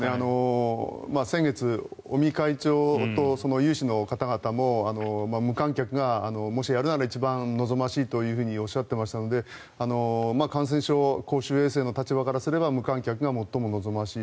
先月、尾身会長と有志の方々も無観客がもしやるなら一番望ましいとおっしゃっていましたので感染症、公衆衛生の立場からすれば無観客が最も望ましい。